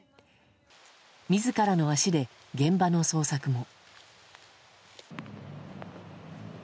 自らの足で現場の捜索も。